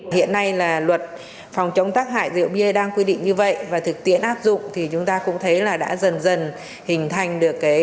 hiện nay là luật phòng chống tác hại rượu bia đang quy định như vậy và thực tiễn áp dụng thì chúng ta cũng thấy là đã dần dần hình thành được